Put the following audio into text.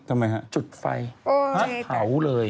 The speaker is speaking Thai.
ทำไมครับจุดไฟเผาเลย